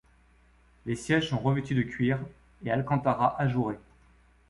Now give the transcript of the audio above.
Les sièges sont revêtus de cuir et Alcantara ajouré.